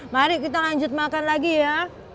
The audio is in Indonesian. mari kita lanjut makan lagi ya